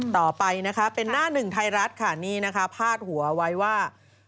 ต่อไปนะคะเป็นหน้าหนึ่งไทยรัฐค่ะนี่นะคะพาดหัวไว้ว่า